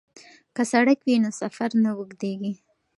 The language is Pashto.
که سړک وي نو سفر نه اوږدیږي.